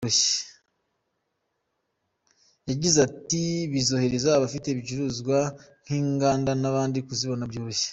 Yagize ati “Bizorohereza abafite ibicuruzwa nk’inganda n’abandi kuzibona byoroshye.